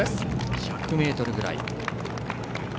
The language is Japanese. １００ｍぐらい。